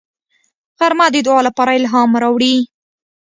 غرمه د دعا لپاره الهام راوړي